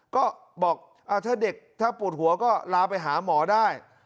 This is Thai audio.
ก็บอกถ้าเด็กถ้าปวดหัวก็ลาไปหาหมอได้